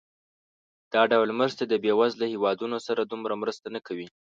دا ډول مرستې د بېوزله هېوادونو سره دومره مرسته نه کوي.